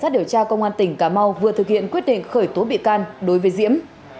điều tra công an tỉnh cà mau vừa thực hiện quyết định khởi tố bị can đối với diễm